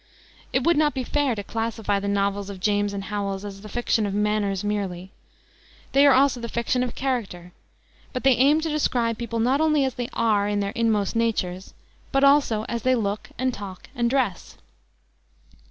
It would not be fair to classify the novels of James and Howells as the fiction of manners merely; they are also the fiction of character, but they aim to describe people not only as they are, in their inmost natures, but also as they look and talk and dress.